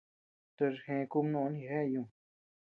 Tochi gë kubnoʼö jigea ñu.